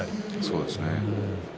そうですね。